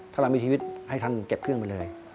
ถ้าเรามีชีวิตให้ท่านเก็บเครื่องไปเลย